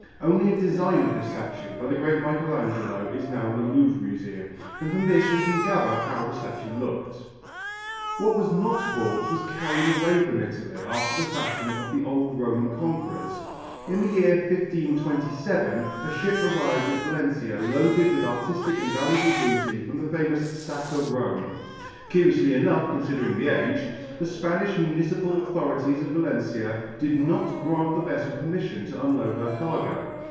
Only a design of this statue, by the great Michelangelo, is now in the Louvre Museum, and from this we can gather how the statue looked. What was not bought was carried away from Italy after the fashion of the old Roman conquerors. In the year 1527 a ship arrived at Valencia loaded with artistic and valuable booty from the famous "Sack of Rome." Curiously enough, considering the age, the Spanish municipal authorities of Valencia did not grant the vessel permission to unload her cargo.